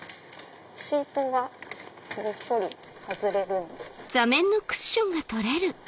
シートがごっそり外れるんです。